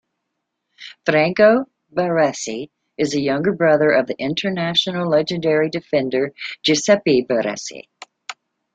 Franco Baresi is the younger brother of Internazionale legendary defender Giuseppe Baresi.